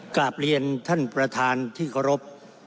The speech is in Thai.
กลับเรียนท่านประธานที่เคารพ